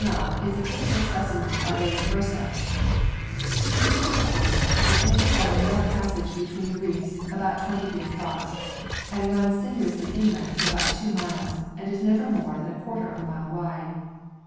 Khor Shinab is a typical specimen of a mersa; it is cruciform, and is entered by a narrow passage between the reefs, about 20 feet across, and runs sinuously inland for about two miles, and is never more than a quarter of a mile wide.